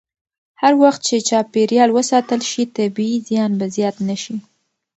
هر وخت چې چاپېریال وساتل شي، طبیعي زیان به زیات نه شي.